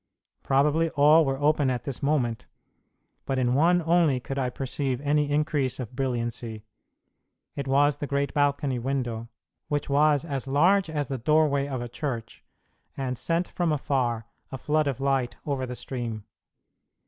Probably all were open at this moment, but in one only could I perceive any increase of brilliancy; it was the great balcony window, which was as large as the doorway of a church, and sent from afar a flood of light over the stream.